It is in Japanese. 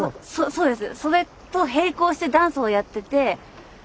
そうです。